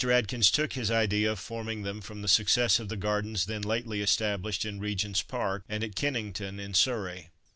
Atkins took his idea of forming them from the success of the Gardens then lately established in Regent's Park, and at Kennington, in Surrey.